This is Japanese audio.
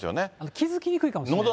気付きにくいかもしれないですね。